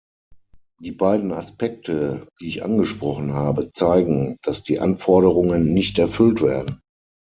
Die beiden Aspekte, die ich angesprochen habe, zeigen, dass die Anforderungen nicht erfüllt werden.